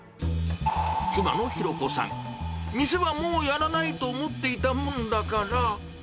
妻の博子さん、店はもうやらないと思っていたもんだから。